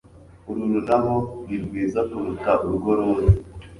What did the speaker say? Ururabo ni rwiza kuruta urwo roza